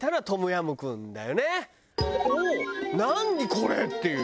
これ！っていう。